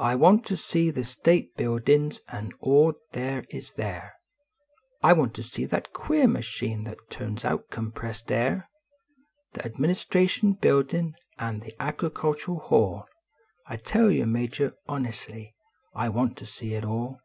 I want Lo sec the state bnildin s an all ther is there, I \vant to see that queer machine that turns ont compressed air, Th Administration Imildin an the Agricultural hall I tell yon, Major, hones ly. I want to see it all.